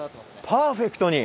「パーフェクトに？」